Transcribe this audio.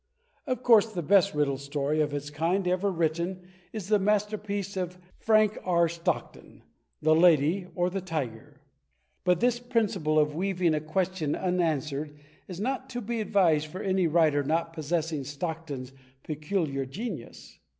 Of course the best Riddle Story of its kind ever written is that masterpiece of Frank R. Stockton, "The Lady or The Tiger?" but this principle of leaving a question unanswered is not to be advised for any writer not possessing Stockton's peculiar genius.